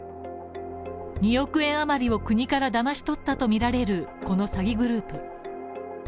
２億円余りを国からだまし取ったとみられるこの詐欺グループ。